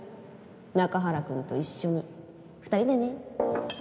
中原くんと一緒に２人でね。